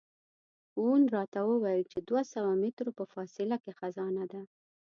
وون راته وویل چې دوه سوه مترو په فاصله کې خزانه ده.